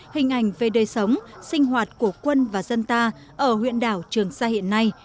hình ảnh về đời sống sinh hoạt của quân và dân ta ở huyện đảo trường sa hiện nay